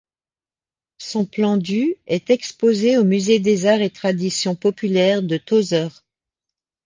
Son plan du est exposé au Musée des arts et traditions populaires de Tozeur.